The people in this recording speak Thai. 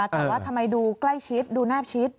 แต่ว่าทำไมดูใกล้ชิดดูแบชิด